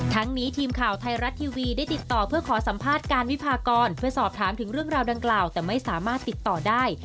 นี้ทีมข่าวไทยรัฐทีวีได้ติดต่อเพื่อขอสัมภาษณ์การวิพากรเพื่อสอบถามถึงเรื่องราวดังกล่าวแต่ไม่สามารถติดต่อได้